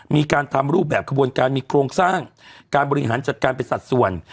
มีการทำรูปแบบขบวนการมีโครงสร้างการบริหารจัดการเป็นสัดส่วน